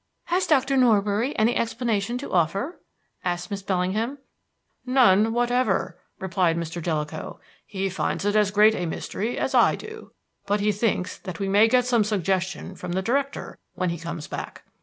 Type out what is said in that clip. "Has Doctor Norbury any explanation to offer?" asked Miss Bellingham. "None whatever," replied Mr. Jellicoe. "He finds it as great a mystery as I do. But he thinks that we may get some suggestion from the Director when he comes back.